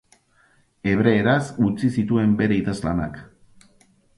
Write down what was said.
Hebreeraz utzi zituen bere idazlanak.